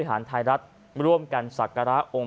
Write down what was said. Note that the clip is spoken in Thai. ประธานเจ้าหน้าที่บริหารธุรกิจ